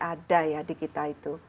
ada ya di kita itu